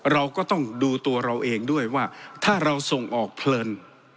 เราก็ต้องดูตัวเราเองด้วยว่าถ้าเราส่งออกเพลิน